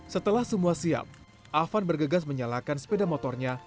setelah semua siap afan bergegas menyalakan sepeda motornya